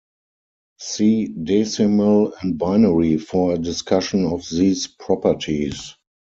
See decimal and binary for a discussion of these properties.